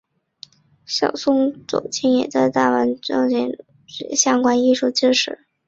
小松左京也在大阪盛行的文乐中学习古典艺术相关知识。